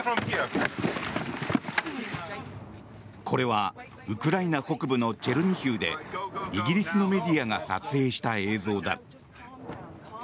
これはウクライナ北部のチェルニヒウでイギリスのメディアが撮影した映像だ。